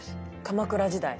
鎌倉時代。